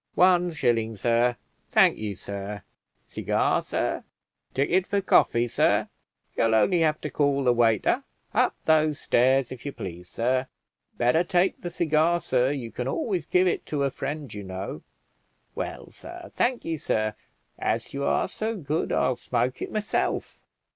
"One shilling, sir, thank ye, sir, cigar, sir? ticket for coffee, sir; you'll only have to call the waiter. Up those stairs, if you please, sir. Better take the cigar, sir, you can always give it to a friend, you know. Well, sir, thank ye, sir; as you are so good, I'll smoke it myself."